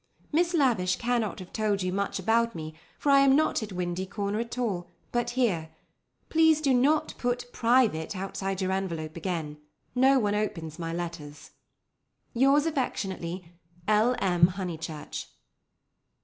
"Miss Lavish cannot have told you much about me, for I am not at Windy Corner at all, but here. Please do not put 'Private' outside your envelope again. No one opens my letters. "Yours affectionately, "L. M. HONEYCHURCH."